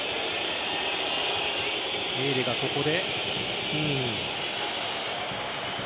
メーレがここで。